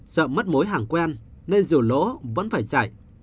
sợ mất mối hàng quen nên dù lỗ vẫn phải dạy